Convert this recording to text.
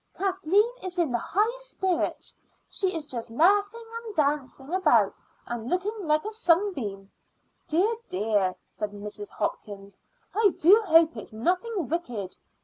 Kathleen is in the highest spirits; she is just laughing and dancing about and looking like a sunbeam." "Dear, dear!" said Mrs. Hopkins. "I do hope it's nothing wicked.